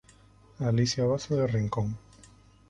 Alicia Bazo de Rincón.